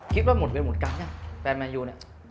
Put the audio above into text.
คิดว่าหมุดเป็นหมุดกั้นแล้วแฟนแมนอยูเนี่ย